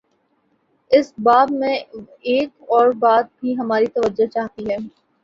اس باب میں ایک اور بات بھی ہماری توجہ چاہتی ہے۔